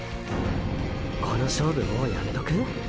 この勝負もうやめとく？